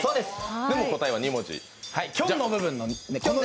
でも答えは２文字。